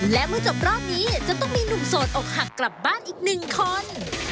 และเมื่อจบรอบนี้จะต้องมีหนุ่มโสดอกหักกลับบ้านอีกหนึ่งคน